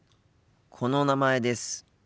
この「名前」です。